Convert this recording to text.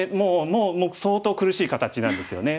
もう相当苦しい形なんですよね。